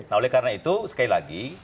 nah oleh karena itu sekali lagi